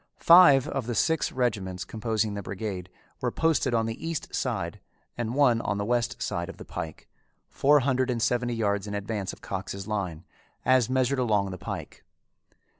Five of the six regiments composing the brigade were posted on the east side and one on the west side of the pike, four hundred and seventy yards in advance of Cox's line, as measured along the pike.